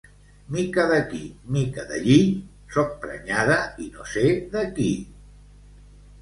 Mica d'aquí, mica d'allí, soc prenyada i no sé de qui.